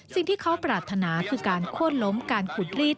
สิ่งที่เขาปรารถนาคือการโค้นล้มการขุดลีด